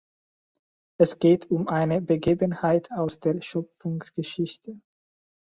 Es geht um eine Begebenheit aus der Schöpfungsgeschichte.